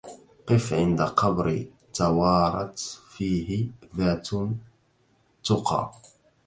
قف عند قبر توارت فيه ذات تقى